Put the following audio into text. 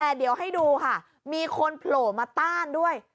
แต่เดี๋ยวให้ดูค่ะมีคนโผล่มาต้านด้วย